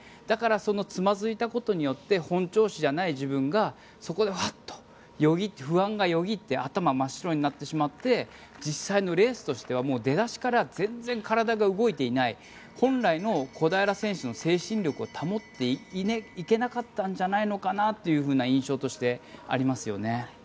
だからそのつまずいたことによって本調子じゃない自分がそこでワッとよぎって不安がよぎって頭が真っ白になってしまって実際のレースとしては出だしから全然体が動いていない本来の小平選手の精神力を保っていけなかったんじゃないのかなというのが印象としてありますよね。